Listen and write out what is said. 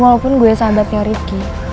walaupun gue sahabatnya rifqi